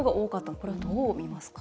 これは、どう見ますか？